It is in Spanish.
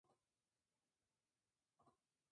En España se encuentra entre el Canigó y La Garrocha.